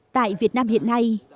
tại việt nam hiện nay